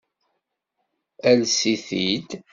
Ales-it-id.